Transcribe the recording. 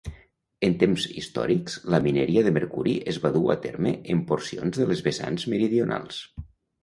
En temps històrics, la mineria de Mercuri es va dur a terme en porcions de les vessants meridionals.